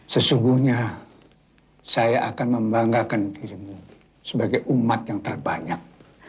sesungguhnya saya akan membanggakan dirimu sebagai umat yang terbanyak